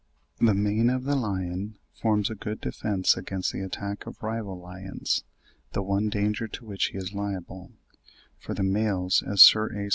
The mane of the lion forms a good defence against the attacks of rival lions, the one danger to which he is liable; for the males, as Sir A.